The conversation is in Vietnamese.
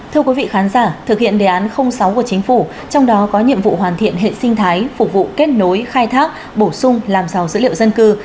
thưa quý vị khán giả thực hiện đề án sáu của chính phủ trong đó có nhiệm vụ hoàn thiện hệ sinh thái phục vụ kết nối khai thác bổ sung làm giàu dữ liệu dân cư